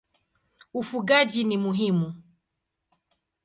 Ufugaji ni muhimu.